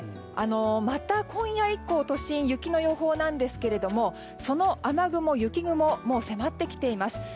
また今夜以降都心、雪の予報なんですけどその雨雲、雪雲もう迫ってきています。